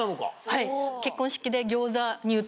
はい。